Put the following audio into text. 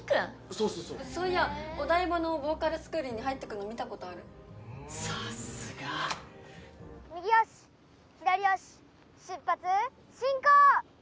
そうそうそうそういやお台場のボーカルスクールに入ってくの見たことあるさすが右よし左よし出発進行！